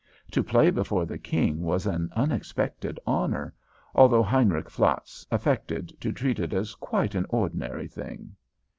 To play before the King was an unexpected honor, although Heinrich Flatz affected to treat it as quite an ordinary thing.